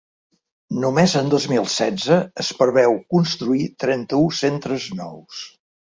Només en dos mil setze es preveu construir trenta-u centres nous.